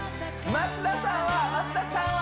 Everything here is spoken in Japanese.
松田さんは松田ちゃんは？